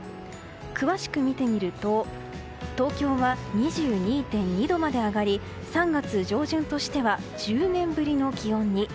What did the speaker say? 詳しく見てみると東京は２２．２度まで上がり３月上旬としては１０年ぶりの気温に。